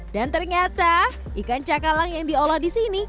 dan ternyata ikan cakalang yang diolah disini